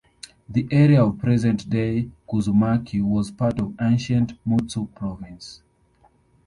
The area of present-day Kuzumaki was part of ancient Mutsu Province.